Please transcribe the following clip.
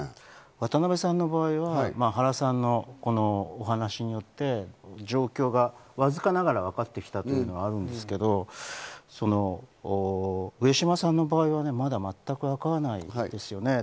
渡辺さんの場合は原さんのお話によって状況がわずかながら分かってきたといのがあるんですけど、上島さんの場合はまだ全くわからないですよね。